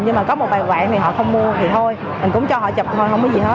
nhưng mà có một vài quạng thì họ không mua thì thôi mình cũng cho họ chụp thôi không có gì hết